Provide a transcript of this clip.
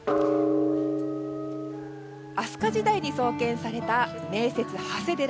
飛鳥時代に創建された名刹・長谷寺。